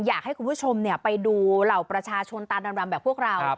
อยากให้คุณผู้ชมไปดูเหล่าประชาชนตาดำรำแบบพวกเรา